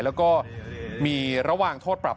แล้วก็มีระหว่างโทษปรับ